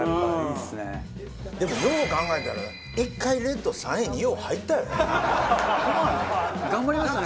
でもよう考えたら１回レッド３位によう入ったよね。